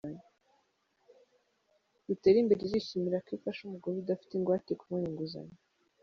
Duterimbereirishimira ko ifasha umugore udafite ingwate kubona inguzanyo